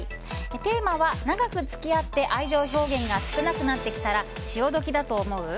テーマは長く付き合って愛情表現が少なくなってきたら潮時だと思う？